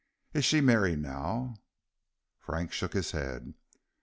Is she merry now?" Frank shook his head.